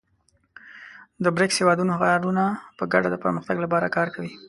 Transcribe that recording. د بریکس هېوادونو ښارونه په ګډه د پرمختګ لپاره کار کوي.